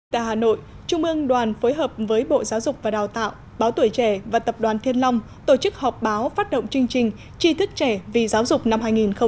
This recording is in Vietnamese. tại hà nội trung ương đoàn phối hợp với bộ giáo dục và đào tạo báo tuổi trẻ và tập đoàn thiên long tổ chức họp báo phát động chương trình tri thức trẻ vì giáo dục năm hai nghìn một mươi chín